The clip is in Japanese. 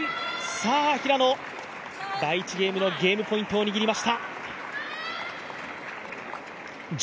さあ平野、第１ゲームのゲームポイントを握りました。